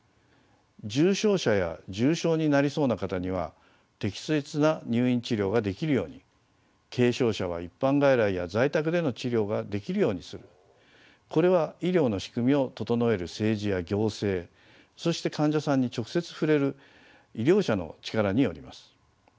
重症者や重症になりそうな方には適切な入院治療ができるように軽症者は一般外来や在宅での治療ができるようにするこれは医療の仕組みを整える政治や行政そして患者さんに直接触れる医療者の力によります。